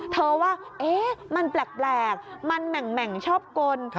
ว่ามันแปลกมันแหม่งชอบกล